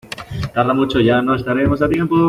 Si tarda mucho ya no estaremos a tiempo.